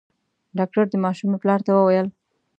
ډاکټر د ماشومي پلار ته وويل :